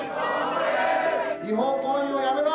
違法行為をやめろ！